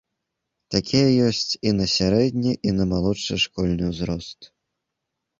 Такія ёсць на сярэдні і малодшы школьны ўзрост.